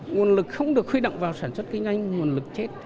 nguồn lực không được khuy động vào sản xuất kinh doanh nguồn lực chết